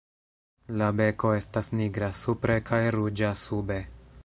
La beko estas nigra supre kaj ruĝa sube.